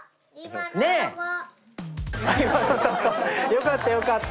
よかったよかった。